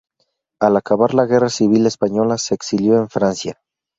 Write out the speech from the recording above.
Al acabar la guerra civil española se exilió en Francia.